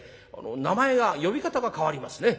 名前が呼び方が変わりますね。